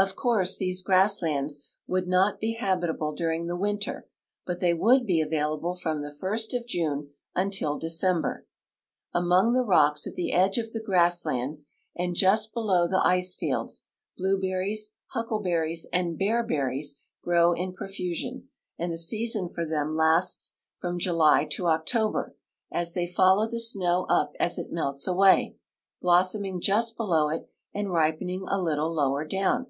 Of course, these grass lands would not be habitable during the winter, but they would be available from the first of June until December. Among the rocks at the edge of the grasslands, and just below the ice fields, blueberries, huckleberries, and bearberries grow in profusion, and the season for them lasts from July to October, as they follow the snow U{) as it melts away, blossoming just below it and ripen ing a little lower down.